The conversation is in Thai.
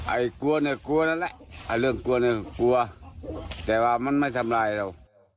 ไอ้กลัวเนี่ยกลัวนั่นแหละไอ้เรื่องกลัวเนี่ยกลัวแต่ว่ามันไม่ทำลายเรา